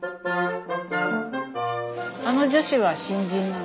あの女子は新人なの？